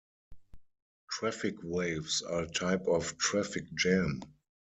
Traffic waves are a type of traffic jam.